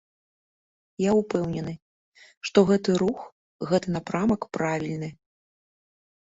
Я ўпэўнены, што гэты рух, гэты напрамак правільны.